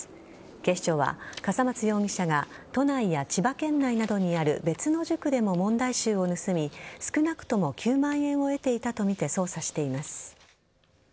警視庁は笠松容疑者が都内や千葉県内などにある別の塾でも問題集を盗み少なくとも９万円を得ていたとみて捜査しています。